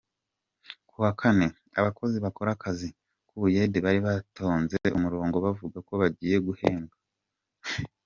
Kuwa kane, Abakozi bakora akazi k’ubuyede bari batonze umurongo bavuga ko bagiye guhembwa.